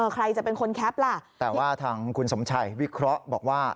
ใครจะเป็นคนแคปล่ะแต่ว่าทางคุณสมชัยวิเคราะห์บอกว่า